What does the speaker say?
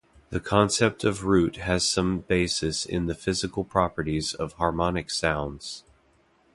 The concept of root has some basis in the physical properties of harmonic sounds.